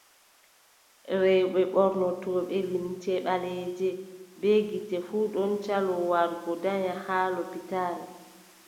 Rewɓe ɓornotooɓe limce ɓaleeje bee gite fuu ɗon caloo wargo danya haa lopital.